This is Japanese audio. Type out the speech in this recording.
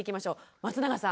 松永さん